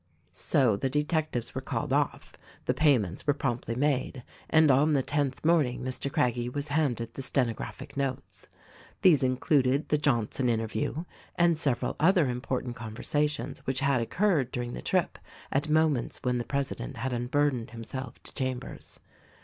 So, the detectives were called off, the payments were promptly made, and on the tenth morning Mr. Craggie was handed the stenographic notes. These included the Johnson interview and several other important conversa tions which had occurred during the trip at moments when the president had unburdened himself to Chambers.